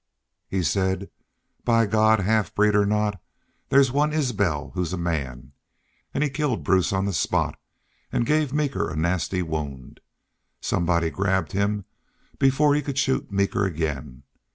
"He said, 'By God! half breed or not, there's one Isbel who's a man!' An' he killed Bruce on the spot an' gave Meeker a nasty wound. Somebody grabbed him before he could shoot Meeker again.